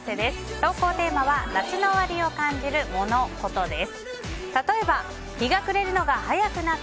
投稿テーマは夏の終わりを感じるモノ・コトです。